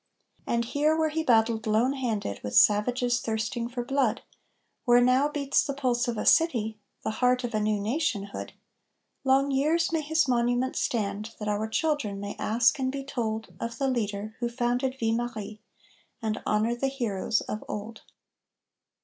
And here where he battled lone handed with savages thirsting for blood, Where now beats the pulse of a city, the heart of a new nationhood, Long years may his monument stand that our children may ask and be told Of the leader who founded Ville Marie, and honor the heroes of old.